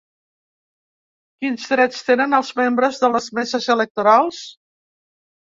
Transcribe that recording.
Quins drets tenen els membres de les meses electorals?